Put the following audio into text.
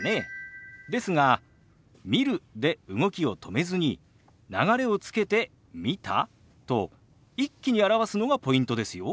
ですが「見る」で動きを止めずに流れをつけて「見た？」と一気に表すのがポイントですよ。